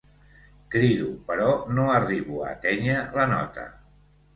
Crido però no arribo a atènyer la nota.